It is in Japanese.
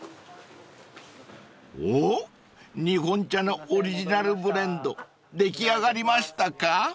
［おっ日本茶のオリジナルブレンド出来上がりましたか］